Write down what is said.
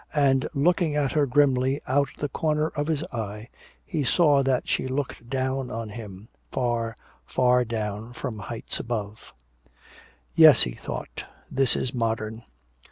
And looking at her grimly out of the corner of his eye, he saw that she looked down on him, far, far down from heights above. "Yes," he thought, "this is modern."